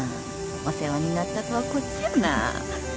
お世話になったとはこっちよな。